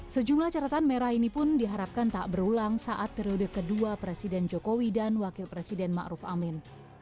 sejumlah catatan merah ini pun diharapkan tak berulang saat periode kedua presiden jokowi dan wakil presiden ⁇ maruf ⁇ amin